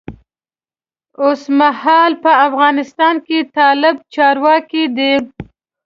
اوسمهال په افغانستان کې طالب چارواکی دی.